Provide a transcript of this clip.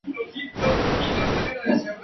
Este patrón de expresión es extremadamente regular.